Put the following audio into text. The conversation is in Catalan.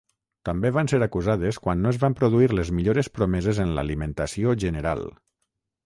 També van ser acusades quan no es van produir les millores promeses en l'alimentació general.